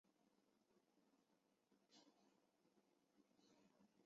沙塘鳢碘泡虫为碘泡科碘泡虫属的动物。